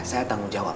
saya tanggung jawab